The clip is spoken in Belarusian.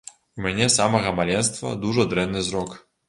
У мяне з самага маленства дужа дрэнны зрок.